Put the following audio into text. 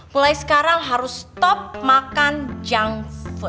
mulai sekarang harus stop makan junk